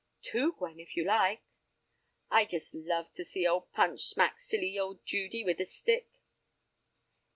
"Two, Gwen, if you like." "I just love to see old Punch smack silly old Judy with a stick!"